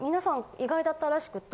意外だったらしくて。